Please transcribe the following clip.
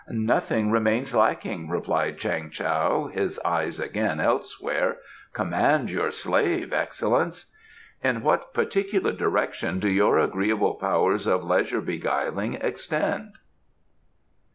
"Nothing remains lacking," replied Chang Tao, his eyes again elsewhere. "Command your slave, Excellence." "In what particular direction do your agreeable powers of leisure beguiling extend?"